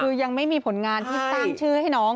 คือยังไม่มีผลงานที่สร้างชื่อให้น้อง